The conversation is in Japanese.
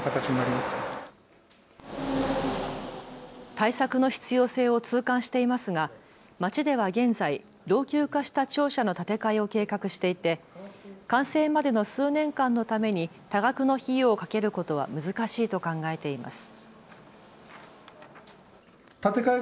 対策の必要性を痛感していますが町では現在、老朽化した庁舎の建て替えを計画していて完成までの数年間のために多額の費用をかけることは難しいと考えています。